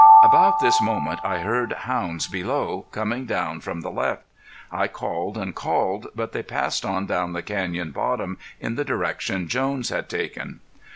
About this moment I heard hounds below, coming down from the left. I called and called, but they passed on down the canyon bottom in the direction Jones had taken.